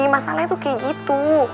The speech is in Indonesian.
masalahnya tuh kayak gitu